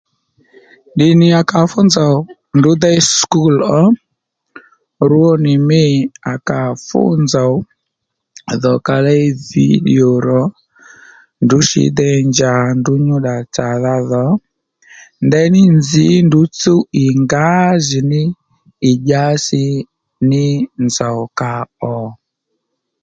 Ddì nì à kà fú nzòw ndrǔ déy sùkúl ó rwo nì mî à kà fú nzòw dhò ka léy vǐdìo rò ndrǔ shǐ dey njà à ndrǔ nyu ddà tsàdha dhò ndeyní nzǐ ndrǔ tsúw ì ngǎjìní ì dyasi ní nzòw kàò